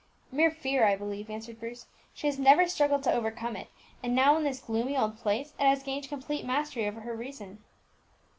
"Mere fear, I believe," answered Bruce. "She has never struggled to overcome it, and now in this gloomy old place it has gained complete mastery over her reason."